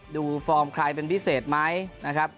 ฟอร์มใครเป็นพิเศษไหมนะครับ